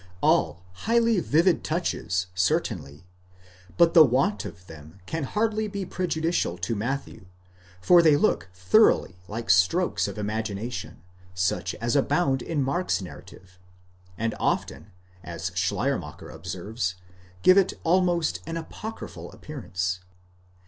All highly vivid touches, certainly : but the want of them can hardly be prejudicial to Matthew, for they look thoroughly like strokes of imagination, such as abound in Mark's narrative, and often, as Schleiermacher observes,' give it almost an apocryphal appearance.